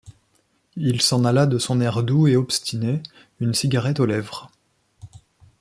Il s’en alla de son air doux et obstiné, une cigarette aux lèvres.